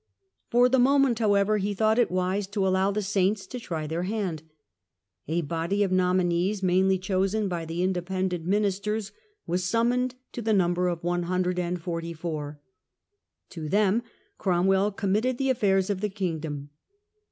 For the moment, however, he thought it wise to allow the " Saints " to try their hand. A body of nominees, First attempt mainly chosen by the Independent ministers, to solve it. was summoned, to the number of 144. To them Cromwell committed the affairs of the kingdom.